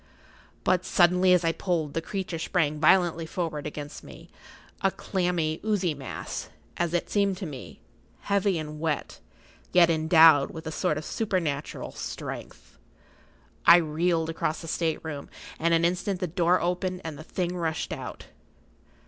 But suddenly, as I pulled, the creature sprang violently forward against me, a clammy, oozy mass, as it seemed to me, heavy and wet, yet endowed with a sort of supernatural strength. I reeled across the state room, and in an instant the door opened and the thing rushed out.